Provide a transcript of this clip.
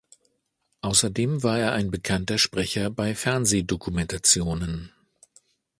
Außerdem war er ein bekannter Sprecher bei Fernsehdokumentationen.